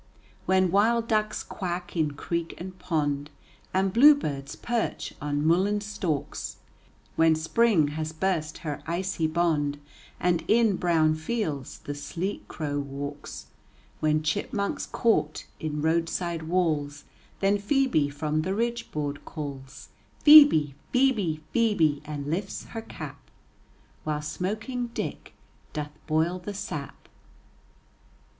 When wild ducks quack in creek and pond And bluebirds perch on mullein stalks, When spring has burst her icy bond And in brown fields the sleek crow walks, When chipmunks court in roadside walls, Then Phœbe from the ridgeboard calls, "Phœbe, Phœbe, phœbe," and lifts her cap, While smoking Dick doth boil the sap.